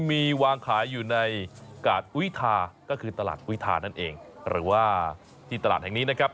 มีวางขายอยู่ในกาดอุ้ยทาก็คือตลาดอุทานั่นเองหรือว่าที่ตลาดแห่งนี้นะครับ